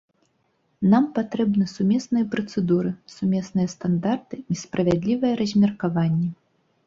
Нам патрэбны сумесныя працэдуры, сумесныя стандарты і справядлівае размеркаванне.